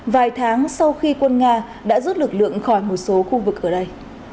vài tháng sau khi quân nga đã rút lực lượng khỏi một số khu vực ở đây